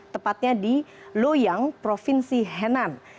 tepatnya di loyang provinsi henan